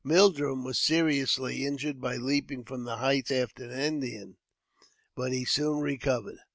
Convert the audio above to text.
Mildrum was seriously injured by leaping from the heights after an Indian, but he soon recovered.